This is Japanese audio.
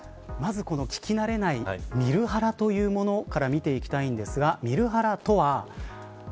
まず、この聞き慣れない見るハラというものから見ていきたいんですが見るハラとは。